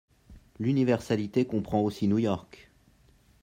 L’universalité comprend aussi New York